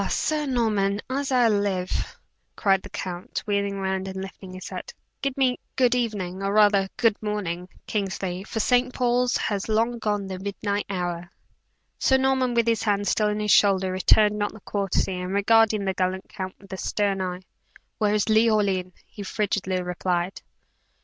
Sir Norman, as I live!" cried the count wheeling round and lifting his hat. "Give me good even or rather, good morning Kingsley, for St. Paul's has long gone the midnight hour." Sir Norman, with his hand still on his shoulder, returned not the courtesy, and regarding the gallant count with a stern eye. "Where is Leoline?" he frigidly repeated.